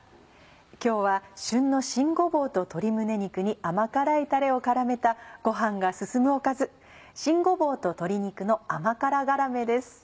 今日は旬の新ごぼうと鶏胸肉に甘辛いたれを絡めたご飯が進むおかず「新ごぼうと鶏肉の甘辛がらめ」です。